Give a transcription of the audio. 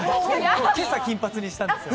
今朝、金髪にしたんですよ。